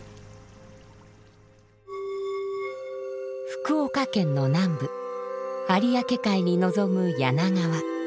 福岡県の南部有明海に臨む柳川。